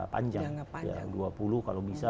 panjang dua puluh kalau bisa